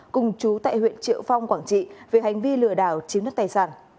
cùng chú tại huyện triệu phong quảng trị về hành vi lừa đảo chiếm đất tài sản